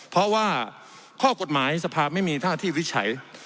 เพราะว่าข้อกฎหมายสภาพไม่มีท่าที่วิจัย